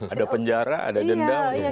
ada penjara ada dendam